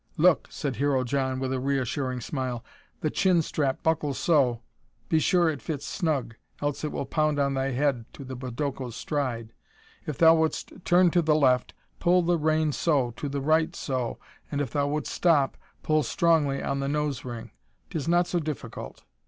"Look," said Hero John with a reassuring smile. "The chin strap buckles so be sure it fits snug, else it will pound on thy head to the podoko's stride. If thou wouldst turn to the left, pull the rein so, to the right so, and if thou wouldst stop, pull strongly on the nose ring; 'tis not so difficult."